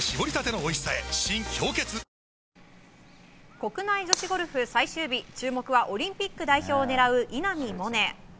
国内女子ゴルフ最終日注目はオリンピック代表を狙う稲見萌寧。